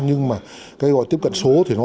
nhưng mà cái gọi tiếp cận số thì nó không cao